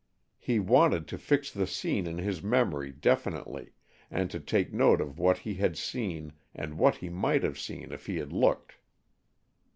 He wanted to fix the scene in his memory definitely, and to take note of what he had seen and what he might have seen if he had looked.